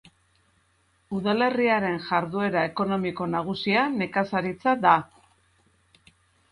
Udalerriaren jarduera ekonomiko nagusia nekazaritza da.